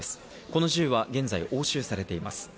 この銃は現在、押収されています。